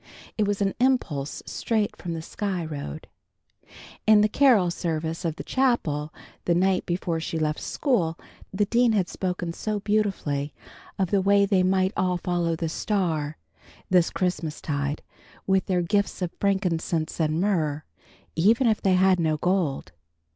It was an impulse straight from the Sky Road. In the carol service in the chapel, the night before she left school, the dean had spoken so beautifully of the way they might all follow the Star, this Christmastide, with their gifts of frankincense and myrrh, even if they had no gold.